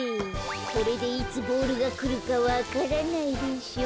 これでいつボールがくるかわからないでしょ。